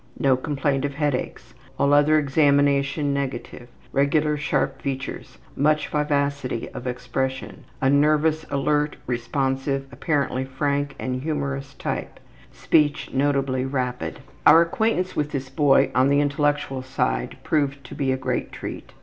No complaint of headaches. All other examination negative. Regular sharp features. Much vivacity of expression. A nervous, alert, responsive, apparently frank and humorous type. Speech notably rapid. Our acquaintance with this boy on the intellectual side proved to be a great treat.